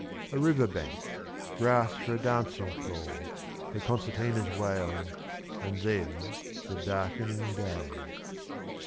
A river bank, grass for a dancing floor, The concertina's wail, and then the darkening day.